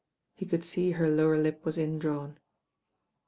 He could sec her lower lip was indrawn.